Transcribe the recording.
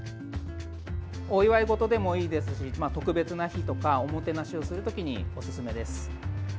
お祝い事でもいいですし特別な日とかおもてなしをするときにおすすめです。